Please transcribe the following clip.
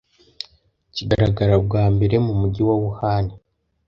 kigaragara bwa mbere mu Mujyi wa Wuhan